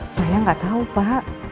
saya gak tau pak